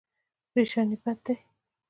پریشاني بد دی.